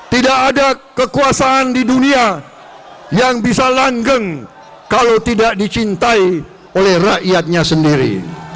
tidak ada kekuasaan di dunia yang bisa langgeng kalau tidak dicintai oleh rakyatnya sendiri